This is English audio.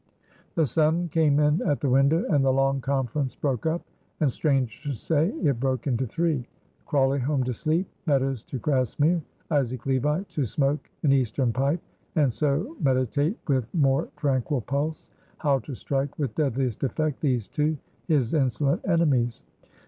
The sun came in at the window, and the long conference broke up, and, strange to say, it broke into three. Crawley home to sleep. Meadows to Grassmere. Isaac Levi to smoke an Eastern pipe, and so meditate with more tranquil pulse how to strike with deadliest effect these two, his insolent enemies.